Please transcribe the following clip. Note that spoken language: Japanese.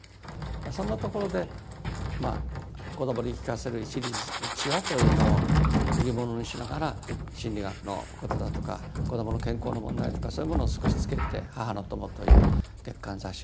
そんなところで子どもに聞かせる一日一話というのを売り物にしながら心理学のことだとか子どもの健康の問題とかそういうものを少し付けて「母の友」という月刊雑誌を作ったんです。